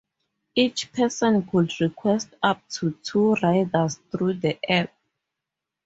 Each person could request up to two rides through the app.